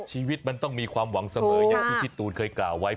ชีวิตมันต้องมีความหวังเสมออย่างที่พี่ตูนเคยกล่าวไว้